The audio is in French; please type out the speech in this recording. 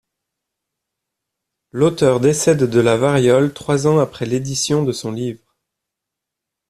L'auteur décède de la variole trois ans après l'édition de son livre.